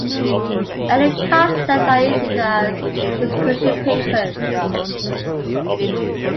Early concepts are issued as "Discussion Papers".